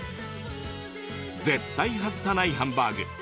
絶対、外さないハンバーグ。